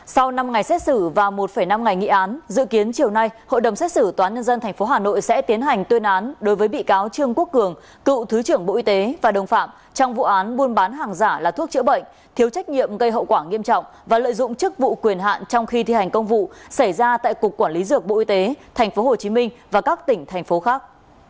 sau năm ngày xét xử và một năm ngày nghị án dự kiến chiều nay hội đồng xét xử toán nhân dân tp hà nội sẽ tiến hành tuyên án đối với bị cáo trương quốc cường cựu thứ trưởng bộ y tế và đồng phạm trong vụ án buôn bán hàng giả là thuốc chữa bệnh thiếu trách nhiệm gây hậu quả nghiêm trọng và lợi dụng chức vụ quyền hạn trong khi thi hành công vụ xảy ra tại cục quản lý dược bộ y tế tp hồ chí minh và các tỉnh thành phố khác